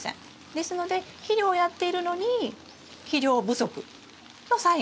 ですので肥料をやっているのに肥料不足のサインが出てしまいます。